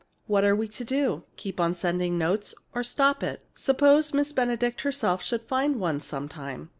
What are we to do? Keep on sending notes, or stop it? Suppose Miss Benedict herself should find one sometime."